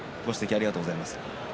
ありがとうございます。